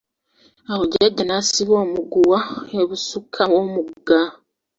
Awo jjaja nasiba omuguwa ebusukka w'omugga.